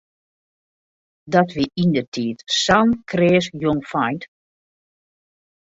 Dat wie yndertiid sa'n kreas jongfeint.